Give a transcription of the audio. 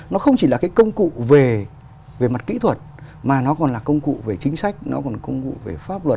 nó không chỉ là cái công cụ về mặt kỹ thuật mà nó còn là công cụ về chính sách nó còn là công cụ về pháp luật